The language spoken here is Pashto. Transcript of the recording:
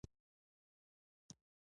ښي اړخ ته د بلخ پوهنتون نوې ودانۍ جوړې دي.